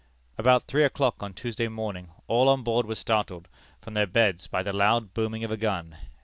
"About three o'clock on Tuesday morning, all on board were startled from their beds by the loud booming of a gun.